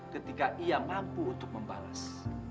ketika ia mampu untuk membalas